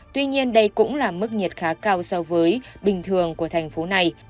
tuy nhiên đây cũng là mức nhiệt khá cao so với bình thường của thành phố này